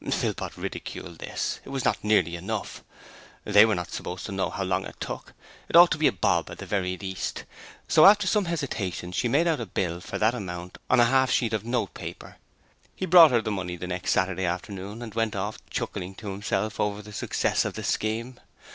Philpot ridiculed this: it was not nearly enough. THEY were not supposed to know how long it took: it ought to be a bob at the very least. So, after some hesitation she made out a bill for that amount on a half sheet of note paper. He brought her the money the next Saturday afternoon and went off chuckling to himself over the success of the scheme.